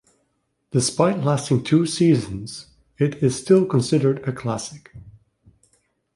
Despite lasting two seasons, it is still considered a classic.